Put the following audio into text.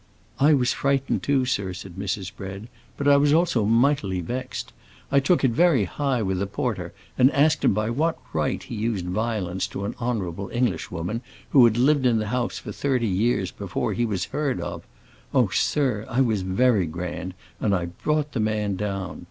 "I was frightened too, sir," said Mrs. Bread, "but I was also mightily vexed. I took it very high with the porter and asked him by what right he used violence to an honorable Englishwoman who had lived in the house for thirty years before he was heard of. Oh, sir, I was very grand, and I brought the man down.